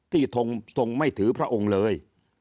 ทรงไม่ถือพระองค์เลย